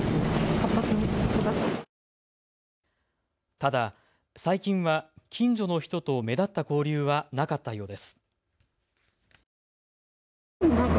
ただ最近は近所の人と目立った交流はなかったようです。